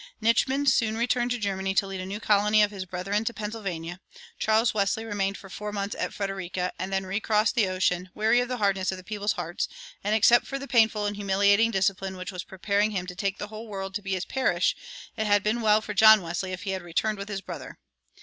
Nitschmann soon returned to Germany to lead a new colony of his brethren to Pennsylvania; Charles Wesley remained for four months at Frederica, and then recrossed the ocean, weary of the hardness of the people's hearts; and, except for the painful and humiliating discipline which was preparing him to "take the whole world to be his parish," it had been well for John Wesley if he had returned with his brother.